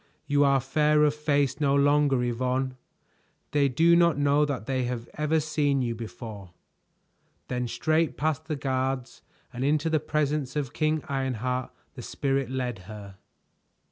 "You are fair of face no longer, Yvonne. They do not know that they have ever seen you before." Then straight past the guards and into the presence of King Ironheart the Spirit led her.